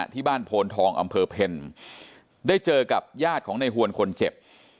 ที่บ้านโพนทองอำเภอเพลได้เจอกับญาติของในหวนคนเจ็บ